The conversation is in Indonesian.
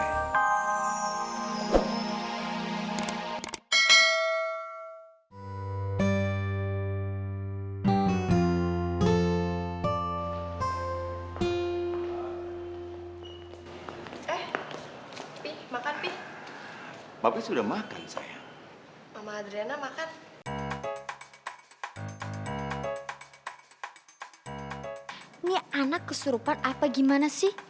ini anak kesurupan apa gimana sih